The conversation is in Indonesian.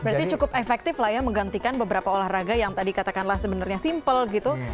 berarti cukup efektif lah ya menggantikan beberapa olahraga yang tadi katakanlah sebenarnya simple gitu